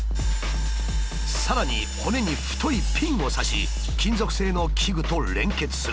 さらに骨に太いピンを刺し金属製の器具と連結する。